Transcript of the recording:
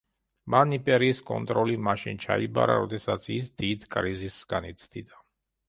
მან იმპერიის კონტროლი მაშინ ჩაიბარა როდესაც ის დიდ კრიზისს განიცდიდა.